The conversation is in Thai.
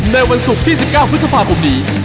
ในวันศุกร์ที่๑๙พฤษภาคมนี้